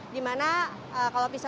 di mana kalau bisa